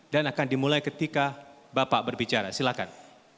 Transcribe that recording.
dan akan dimulai ketika bapak berbicara silakan